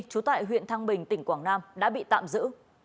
trú tại huyện thăng bình tỉnh quảng nam đã bị tạm giữ